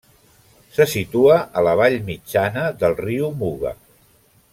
Se situa a la vall mitjana del riu Muga.